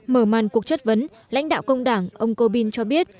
mở màn cuộc chất vấn lãnh đạo công đảng ông corbyn cho biết